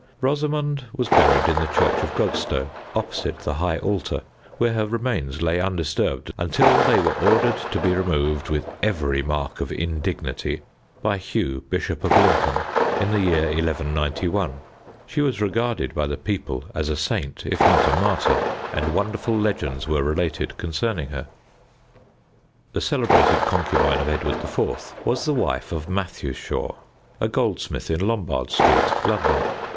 Rosamond was buried in the church of Godstow, opposite the high altar, where her remains lay undisturbed until they were ordered to be removed, with every mark of indignity, by Hugh, Bishop of Lincoln, in the year 1191. She was regarded by the people as a saint, if not a martyr, and wonderful legends were related concerning her. Jane Shore, the celebrated concubine of Edward IV., was the wife of Matthew Shore, a goldsmith in Lombard Street, London.